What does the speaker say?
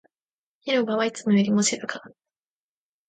広場はいつもよりも静かだった